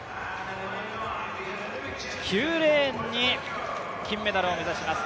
９レーンに金メダルを目指します